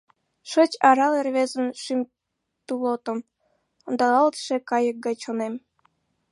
Шыч арале рвезын шӱм тулотым, ондалалтше кайык гай чонем.